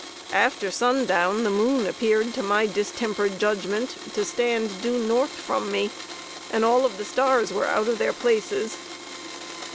After sundown, the moon appeared to my distempered judgment to stand due North from me, and all the stars were out of their places.